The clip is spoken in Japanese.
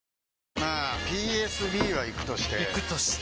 まあＰＳＢはイクとしてイクとして？